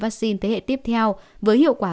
vaccine thế hệ tiếp theo với hiệu quả